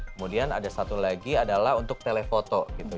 kemudian ada satu lagi adalah untuk telefoto gitu